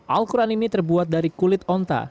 al quran ini terbuat dari kulit onta